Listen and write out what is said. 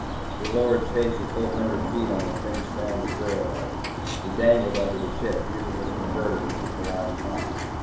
We lowered Chase a full hundred feet on the thin strand of duralloy. He dangled under the ship, using his converter to keep the line taut.